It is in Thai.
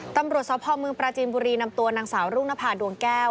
ตำรวจสพเมืองปราจีนบุรีนำตัวนางสาวรุ่งนภาดวงแก้ว